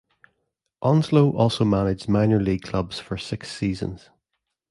Onslow also managed minor league clubs for six seasons.